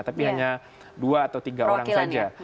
tapi hanya dua atau tiga orang saja